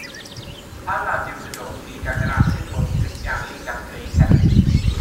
Pan nad yw'n hydoddi, gall yr asid hwn grisialu gan greu cerrig.